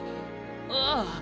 ああ。